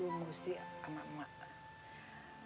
enggak lo mesti ama emang